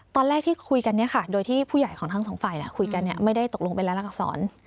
ตอนแรกที่คุยกันเนี่ยค่ะโดยที่ผู้ใหญ่ของทั้งสองฝ่ายคุยกันไม่ได้ตกลงเป็นรายลักษร